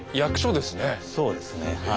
そうですねはい。